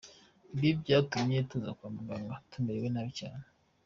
Ibi byatumye tuza kwa muganga tumerewe nabi cyane”.